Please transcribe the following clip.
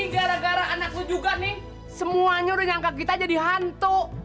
ini gara gara anak lu juga nih semuanya udah nyangka kita jadi hantu